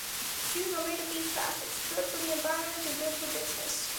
Shoes are made of these plastics: good for the environment and good for business